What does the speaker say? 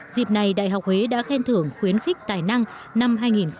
dịp này đại học huế đã khen thưởng khuyến khích tài năng năm hai nghìn một mươi chín